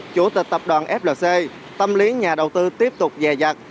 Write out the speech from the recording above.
chủ tịch tập đoàn flc tâm lý nhà đầu tư tiếp tục dè dặt